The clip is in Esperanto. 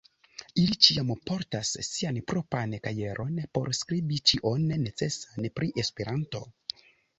Ili ĉiam portas sian propran kajeron por skribi ĉion necesan pri Esperanto.